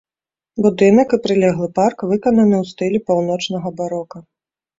Будынак і прылеглы парк выкананы ў стылі паўночнага барока.